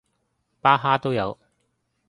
巴哈都有